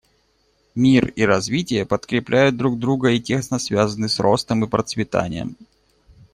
Мир и развитие подкрепляют друг друга и тесно связаны с ростом и процветанием.